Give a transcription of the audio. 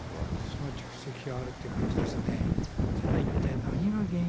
その蓄積があるって感じですね。